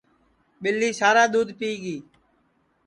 ٻِلی سارا دُؔودھ پِیگی